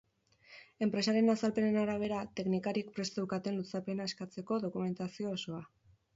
Enpresaren azalpenen arabera, teknikariek prest zeukaten luzapena eskatzeko dokumentazio osoa.